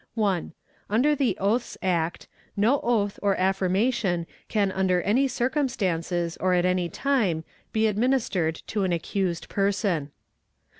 1. Under the Oaths Act, no oath or affirmation can under any cir "cumstances or at any time be administered to an accused person.